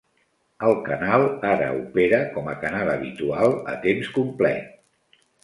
El canal ara opera com a canal habitual a temps complet.